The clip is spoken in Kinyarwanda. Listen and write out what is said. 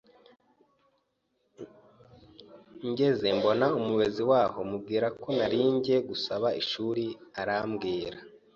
ngezeye mbona Umuyobozi waho mubwira ko nari njye gusaba ishuri arambwira